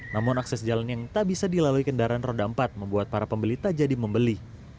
namun akses jalan yang tak bisa dilalui kendaraan roda empat membuat para pembeli tak jadi membeli